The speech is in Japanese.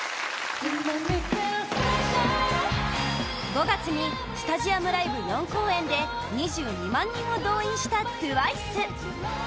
５月にスタジアムライブ４公演で２２万人を動員したＴＷＩＣＥ